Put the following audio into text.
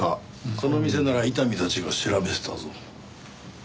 その店なら伊丹たちが調べてたぞ。